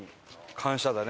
感謝だね。